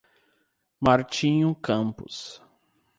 Martinho Campos